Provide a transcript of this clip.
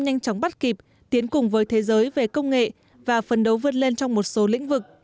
nhanh chóng bắt kịp tiến cùng với thế giới về công nghệ và phần đấu vươn lên trong một số lĩnh vực